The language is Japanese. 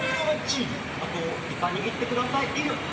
あと、イカ握ってください。